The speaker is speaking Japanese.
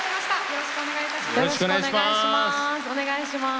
よろしくお願いします